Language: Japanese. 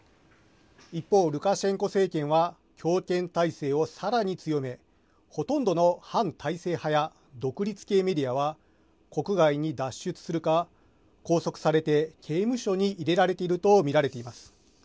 一方、ルカシェンコ政権は強権体制をさらに強めほとんどの反体制派や独立系メディアは国外に脱出するか拘束されて刑務所に入れられていると見られています。